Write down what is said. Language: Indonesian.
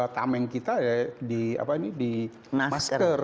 tameng kita ya di masker